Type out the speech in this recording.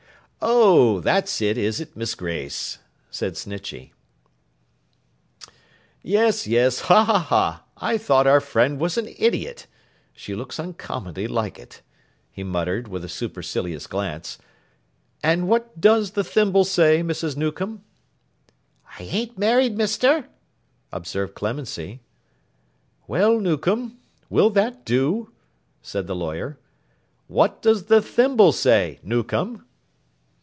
'Oh, that's it, is it, Miss Grace!' said Snitchey. 'Yes, yes. Ha, ha, ha! I thought our friend was an idiot. She looks uncommonly like it,' he muttered, with a supercilious glance. 'And what does the thimble say, Mrs. Newcome?' 'I an't married, Mister,' observed Clemency. 'Well, Newcome. Will that do?' said the lawyer. 'What does the thimble say, Newcome?